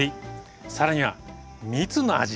更には蜜の味。